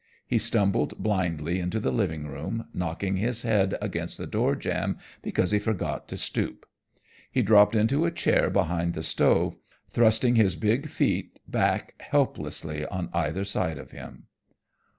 He stumbled blindly into the living room, knocking his head against the door jamb because he forgot to stoop. He dropped into a chair behind the stove, thrusting his big feet back helplessly on either side of him.